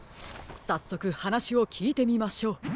さっそくはなしをきいてみましょう。